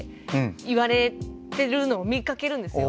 言われてるのを見かけるんですよ。